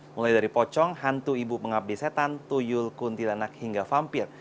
mulai dari pocong hantu ibu pengabdi setan tuyul kuntilanak hingga vampir